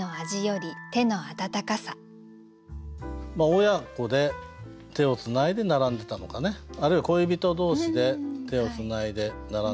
親子で手をつないで並んでたのかねあるいは恋人同士で手をつないで並んでたのか。